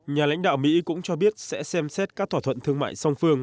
nhà lãnh đạo mỹ cũng cho biết sẽ xem xét các thỏa thuận thương mại song phương